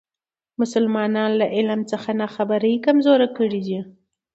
مسلمانان له علم څخه ناخبري کمزوري کړي دي.